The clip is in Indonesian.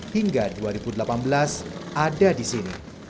hingga dua ribu delapan belas ada di sini